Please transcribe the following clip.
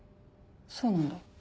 そうなんだ。